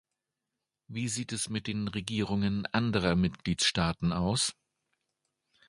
Wir sieht es mit den Regierungen der anderen Mitgliedstaaten aus?